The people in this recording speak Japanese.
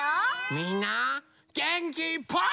みんなげんきいっぱい。